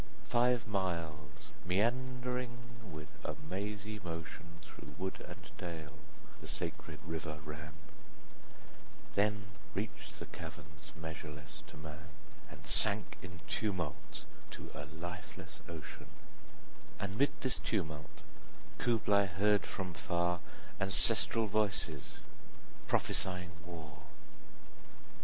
Five miles meandering with a mazy motion 25 Through wood and dale the sacred river ran, Then reach'd the caverns measureless to man, And sank in tumult to a lifeless ocean: And 'mid this tumult Kubla heard from far Ancestral voices prophesying war!